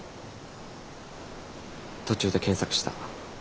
途中で検索した。